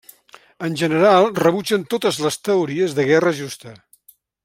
En general rebutgen totes les teories de guerra justa.